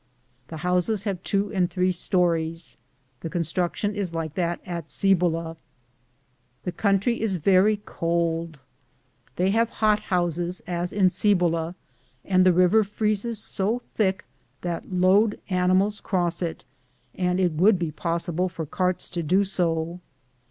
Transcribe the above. The houses have two and three stories; the construction is like those at Cibola. The country is very US ],!,r,z«j I:, Google THE JOURNEY OP CORONADO cold. They have hot houses, aa in Cibola, and the river freezes so thick that loaded animals cross it, and it would be possible for carts to do so.